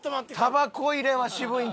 たばこ入れは渋いんちゃう？